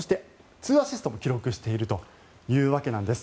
２アシストも記録しているというわけです。